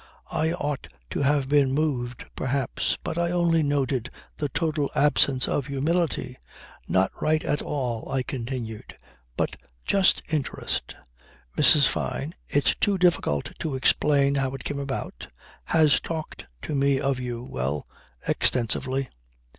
I ought to have been moved perhaps; but I only noted the total absence of humility ... "No right at all," I continued, "but just interest. Mrs. Fyne it's too difficult to explain how it came about has talked to me of you well extensively."